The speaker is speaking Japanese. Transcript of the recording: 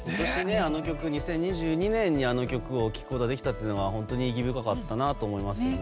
あの曲を２０２２年に聴くことができたのは本当に意義深かったなと思います。